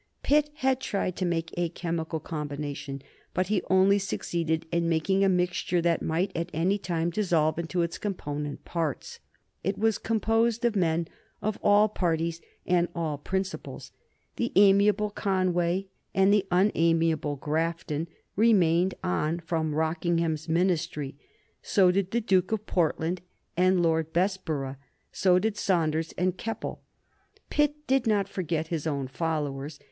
Pitt had tried to make a chemical combination, but he only succeeded in making a mixture that might at any time dissolve into its component parts. It was composed of men of all parties and all principles. The amiable Conway and the unamiable Grafton remained on from Rockingham's Ministry. So did the Duke of Portland and Lord Bessborough, so did Saunders and Keppel. Pitt did not forget his own followers.